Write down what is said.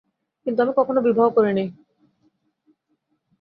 আমি কখনও বিবাহ করি নাই।